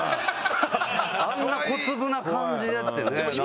あんな小粒な感じだってね。